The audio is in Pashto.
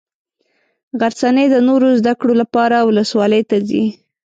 غرڅنۍ د نورو زده کړو لپاره ولسوالي ته ځي.